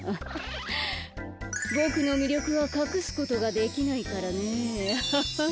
ボクのみりょくはかくすことができないからねははん。